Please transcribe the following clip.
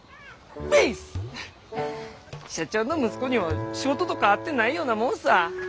ピース！社長の息子には仕事とかあってないようなもんさぁ！